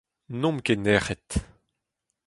N'omp ket nec'het.